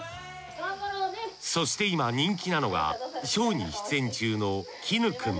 そして今人気なのがショーに出演中のきぬ君。